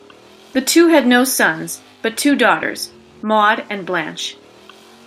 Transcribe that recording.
The two had no sons, but two daughters: Maud and Blanche.